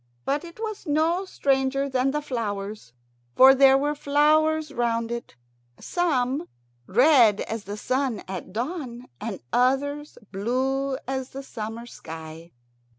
But it was no stranger than the flowers, for there were flowers round it, some red as the sun at dawn and others blue as the summer sky.